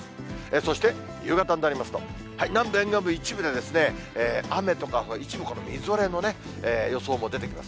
そして夕方になりますと、南部沿岸部、一部で雨とか、一部みぞれの予想も出てきます。